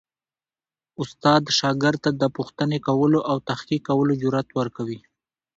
استاد شاګرد ته د پوښتنې کولو او تحقیق کولو جرئت ورکوي.